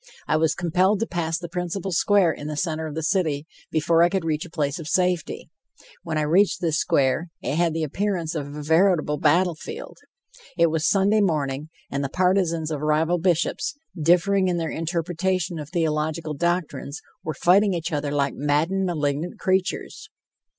I was compelled to pass the principal square in the center of the city before I could reach a place of safety. When I reached this square, it had the appearance of a veritable battlefield. It was Sunday morning, and the partisans of rival bishops, differing in their interpretation of theological doctrines, were fighting each other like maddened, malignant creatures.